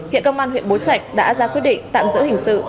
hiện công an huyện bố trạch đã ra quyết định tạm giữ hình sự